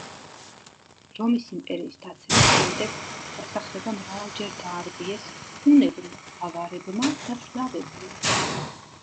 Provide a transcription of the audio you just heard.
რომის იმპერიის დაცემის შემდეგ დასახლება მრავალჯერ დაარბიეს ჰუნებმა, ავარებმა და სლავებმა.